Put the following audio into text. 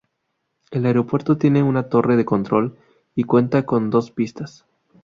El aeropuerto tiene una torre de control y cuenta con dos pistas.